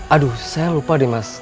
aduh saya lupa deh mas